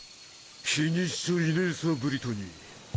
気にしちゃいねえさブリトニー。